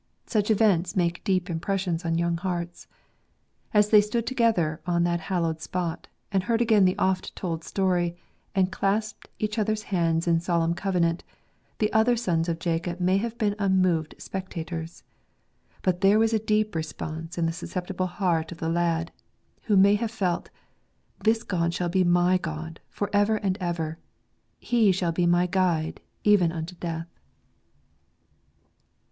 Such events make deep impres sions on young hearts. As they stood together on that hallowed spot, and heard again the oft told story, and clasped each other's hands in solemn covenant, the other sons of Jacob may have been unmoved spectators; but there was a deep response in the susceptible heart of the lad, who may have felt, "This God shall be my God for ever and ever ; He shall be my Guide, even unto death."